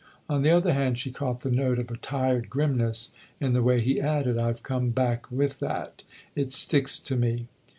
On the other hand she caught the note of a tired grimness in the way he added :" I've come back with that. It sticks to me